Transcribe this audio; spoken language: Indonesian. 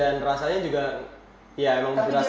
dan rasanya juga iya emang berasa